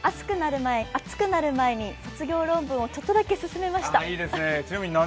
暑くなる前に卒業論文をちょっとだけ進めました。